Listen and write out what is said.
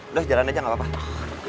udah jalan aja gak apa apa